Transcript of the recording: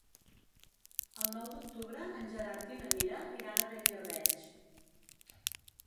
El nou d'octubre en Gerard i na Mira iran a Beniarbeig.